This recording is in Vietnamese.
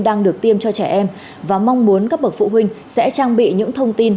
đang được tiêm cho trẻ em và mong muốn các bậc phụ huynh sẽ trang bị những thông tin